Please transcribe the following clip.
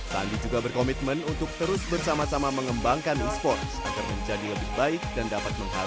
sandi juga berkomitmen untuk terus bersama sama mengembangkan e sports agar menjadi lebih baik dan dapat menghargai